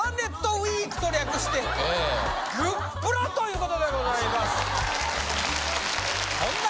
ウィークと略して「＃グップラ」ということでございます。